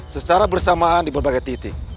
secara bersamaan di berbagai titik